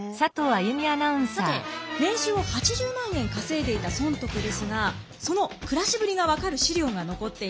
さて年収を８０万円稼いでいた尊徳ですがその暮らしぶりが分かる資料が残っています。